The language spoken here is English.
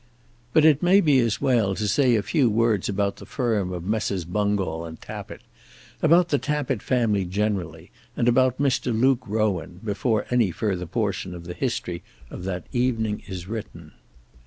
But it may be as well to say a few words about the firm of Messrs. Bungall and Tappitt, about the Tappitt family generally, and about Mr. Luke Rowan, before any further portion of the history of that evening is written.